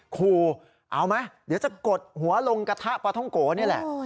ครูเอาไหมเดี๋ยวจะกดหัวลงกระทะปลาท่องโกนี่แหละ